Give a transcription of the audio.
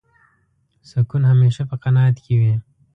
سکون همېشه په قناعت کې وي.